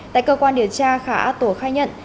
tại cơ quan điều tra khả á tùa khai nhận